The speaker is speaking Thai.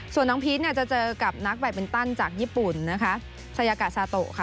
ส่วนน้องพีชเนี่ยจะเจอกับนักแบตมินตันจากญี่ปุ่นนะคะชายากาซาโตค่ะ